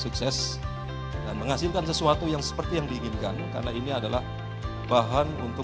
sukses dan menghasilkan sesuatu yang seperti yang diinginkan karena ini adalah bahan untuk